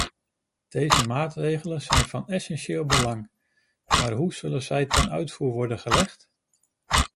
Deze maatregelen zijn van essentieel belang, maar hoe zullen zij ten uitvoer worden gelegd?